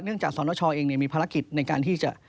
จากสนชเองมีภารกิจในการที่จะ